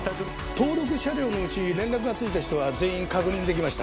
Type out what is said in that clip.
登録車両のうち連絡がついた人は全員確認できました。